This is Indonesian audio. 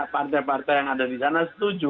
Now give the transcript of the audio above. partai partai yang ada di sana setuju